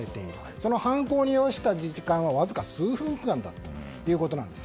その犯行に要した時間はわずか数分間だったということです。